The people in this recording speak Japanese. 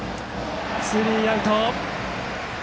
スリーアウト。